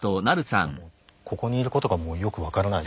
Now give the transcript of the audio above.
いやもうここにいることがもうよく分からない。